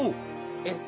えっ。